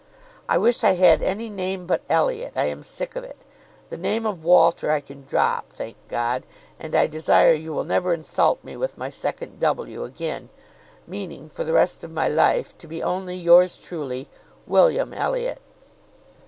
"I wish I had any name but Elliot. I am sick of it. The name of Walter I can drop, thank God! and I desire you will never insult me with my second W. again, meaning, for the rest of my life, to be only yours truly, "WM. ELLIOT."